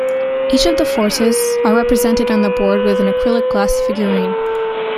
Each of the forces are represented on the board with an acrylic glass figurine.